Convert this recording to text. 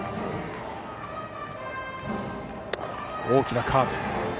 大きなカーブ。